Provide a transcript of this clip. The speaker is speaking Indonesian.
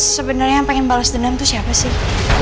sebenernya yang pengen bales denam tuh siapa sih